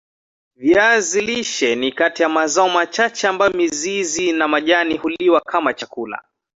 Viazi lishe ni kati ya mazao machache ambayo mizizi na majani huliwa kama chakula